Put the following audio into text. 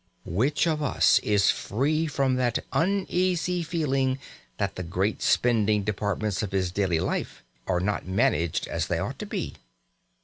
Which of us is free from that uneasy feeling that the "great spending departments" of his daily life are not managed as they ought to be?